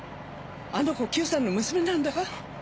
あの子久さんの娘なんだか？